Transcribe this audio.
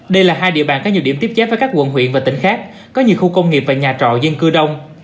đây là hai địa bàn có nhiều điểm tiếp giáp với các quận huyện và tỉnh khác có nhiều khu công nghiệp và nhà trọ dân cư đông